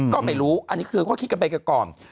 ก็ไม่รู้อันนี้คือเขาคิดกันไปก่อน